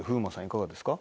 いかがですか？